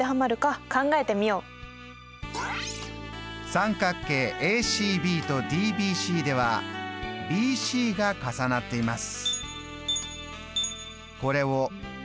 三角形ＡＣＢとＤＢＣではＢＣが重なっています。